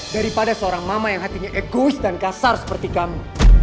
daripada seorang mama yang hatinya egois dan kasar seperti kamu